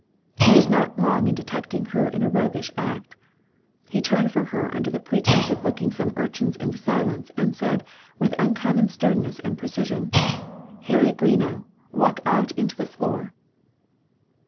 He was not long in detecting her in a rogueish act. He turned from her under the pretence of looking some urchins into silence, and said, with uncommon sternness and precision, "Harriet Greenough, walk out into the floor."